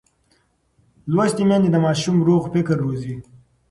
لوستې میندې د ماشوم روغ فکر روزي.